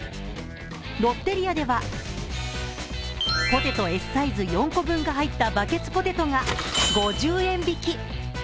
ロッテリアではポテトＳサイズ４個分が入ったバケツポテトが５０円引き。